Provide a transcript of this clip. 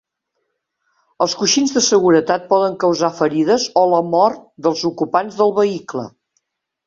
Els coixins de seguretat poden causar ferides o la mort dels ocupants del vehicle.